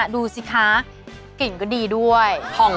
ดูสิคะกลิ่นก็ดีด้วย